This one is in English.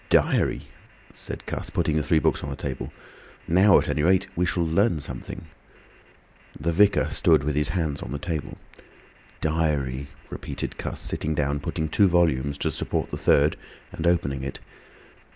"Diary!" said Cuss, putting the three books on the table. "Now, at any rate, we shall learn something." The Vicar stood with his hands on the table. "Diary," repeated Cuss, sitting down, putting two volumes to support the third, and opening it.